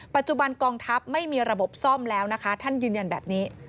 กองทัพไม่มีระบบซ่อมแล้วนะคะท่านยืนยันแบบนี้